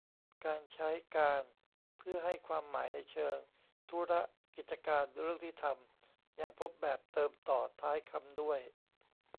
การใช้ "การ" เพื่อให้ความหมายในเชิง ธุระ กิจการ เรื่องที่ทำ ยังพบแบบเติมต่อท้ายคำด้วย